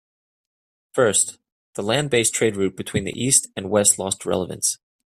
First, the land based trade route between east and west lost relevance.